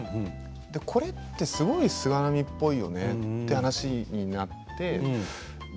これってすごい菅波っぽいよねという話になって。